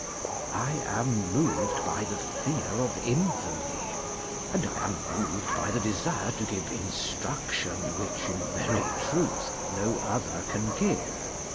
I am moved by the fear of infamy, and T am moved by the desire to give instruction which in very truth no If*?'. other can give.